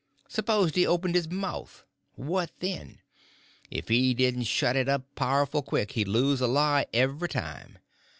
S'pose he opened his mouth—what then? If he didn't shut it up powerful quick he'd lose a lie every time.